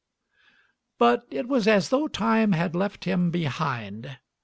But it was as though time had left him behind.